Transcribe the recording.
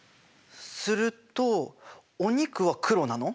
するとお肉は黒なの？